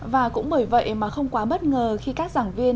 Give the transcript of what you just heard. và cũng bởi vậy mà không quá bất ngờ khi các giảng viên